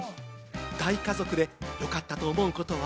大家族でよかったと思うことは。